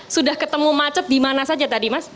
sudah ketemu macet di mana saja tadi mas